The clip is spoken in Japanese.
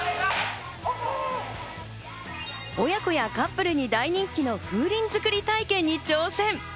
親子やカップルに大人気の風鈴作り体験に挑戦。